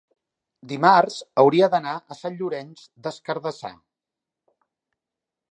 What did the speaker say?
Dimarts hauria d'anar a Sant Llorenç des Cardassar.